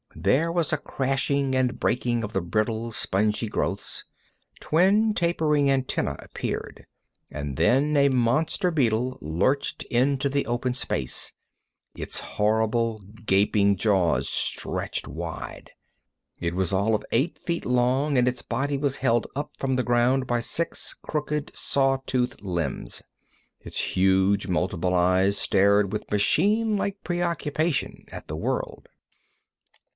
There was a crashing and breaking of the brittle, spongy growths. Twin tapering antennæ appeared, and then a monster beetle lurched into the open space, its horrible, gaping jaws stretched wide. It was all of eight feet long, and its body was held up from the ground by six crooked, saw toothed limbs. Its huge multiple eyes stared with machinelike preoccupation at the world.